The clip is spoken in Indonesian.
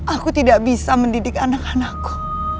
aku tidak bisa mendidik anak anakku